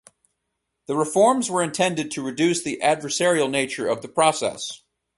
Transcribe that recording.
The reforms were intended to reduce the adversarial nature of the process.